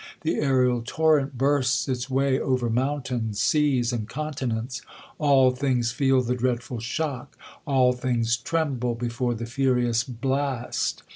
The aerial torrent bursts its way over moun tains, seas, and continents. All things fcol the dread ful shock. All things tremble before the. furious blast.